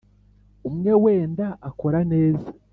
umwe wenda akora neza